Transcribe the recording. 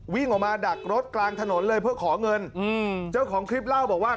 วิ่งออกมาดักรถกลางถนนเลยเพื่อขอเงินอืมเจ้าของคลิปเล่าบอกว่า